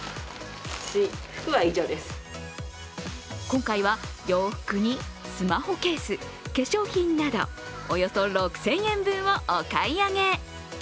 今回は洋服にスマホケース、化粧品などおよそ６０００円分をお買い上げ。